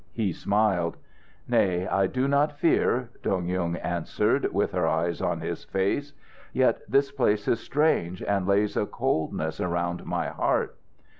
He smiled. "Nay, I do not fear," Dong Yung answered, with her eyes on his face. "Yet this place is strange, and lays a coldness around my heart."